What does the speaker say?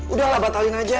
udahlah batalin aja